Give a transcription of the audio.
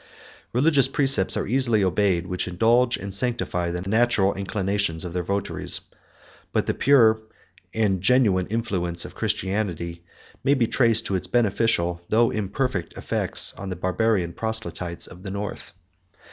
Religious precepts are easily obeyed, which indulge and sanctify the natural inclinations of their votaries; but the pure and genuine influence of Christianity may be traced in its beneficial, though imperfect, effects on the Barbarian proselytes of the North.